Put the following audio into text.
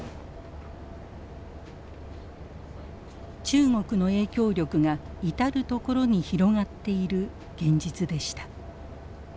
中国の影響力が至る所に広がっている現実でした。